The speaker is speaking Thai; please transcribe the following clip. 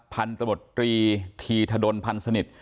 พันธุ์ตรวจตรีธีธดลพันธุ์สนิท